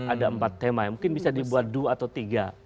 ada empat tema yang mungkin bisa dibuat dua atau tiga